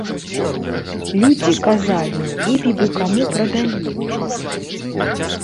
Людзі казалі, лепей бы каму прадалі.